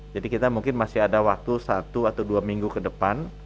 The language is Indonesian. jadi kita mungkin masih ada waktu satu atau dua minggu ke depan